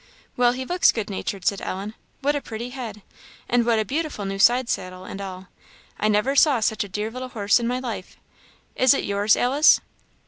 "Well, he looks good natured," said Ellen. "What a pretty head! and what a beautiful new side saddle, and all! I never saw such a dear little horse in my life. Is it yours, Alice?"